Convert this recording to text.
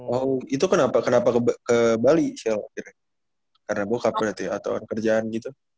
oh itu kenapa ke bali syaf karena bokap berarti atau kerjaan gitu